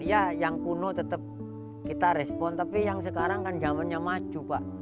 ya yang kuno tetap kita respon tapi yang sekarang kan zamannya maju pak